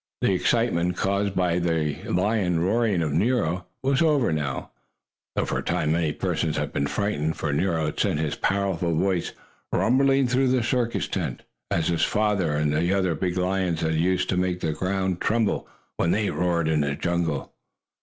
The excitement, caused by the loud roaring of Nero, was over now, though, for a time, many persons had been frightened, for Nero had sent his powerful voice rumbling through the circus tent as his father, and the other big lions, had used to make the ground tremble when they roared in the jungle.